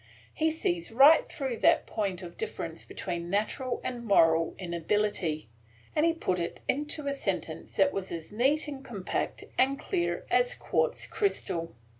He sees right through that point of difference between natural and moral inability, and he put it into a sentence that was as neat and compact and clear as a quartz crystal.